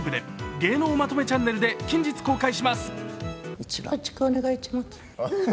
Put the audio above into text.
芸能まとめチャンネルで近日公開します。